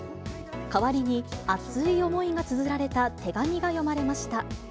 代わりに熱い思いがつづられた手紙が読まれました。